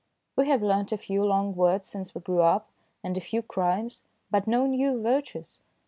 We have learnt a few long words since we grew up, and a few crimes, but no new virtues.